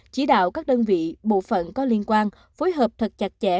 chỉ đạo các đơn vị bộ phận có liên quan phối hợp thật chặt chẽ